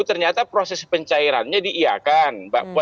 ternyata proses pencairannya diiakan